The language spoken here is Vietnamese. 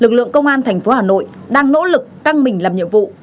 lực lượng công an thành phố hà nội đang nỗ lực căng mình làm nhiệm vụ